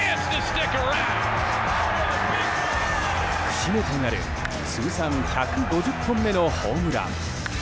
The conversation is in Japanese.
節目となる通算１５０本目のホームラン。